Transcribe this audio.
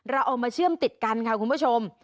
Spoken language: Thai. เราเอามาเชื่อมติดกันค่ะคุณผู้ชม